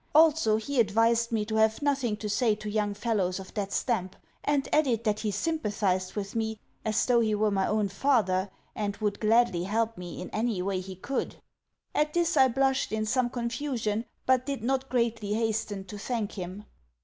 Also, he advised me to have nothing to say to young fellows of that stamp, and added that he sympathised with me as though he were my own father, and would gladly help me in any way he could. At this I blushed in some confusion, but did not greatly hasten to thank him.